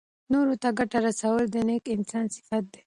نورو ته ګټه رسول د نېک انسان صفت دی.